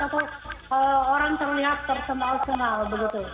atau orang terlihat tersemal kenal begitu